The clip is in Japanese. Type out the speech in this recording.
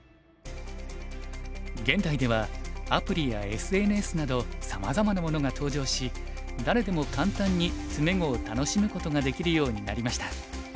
現代ではアプリやＳＮＳなどさまざまなものが登場し誰でも簡単に詰碁を楽しむことができるようになりました。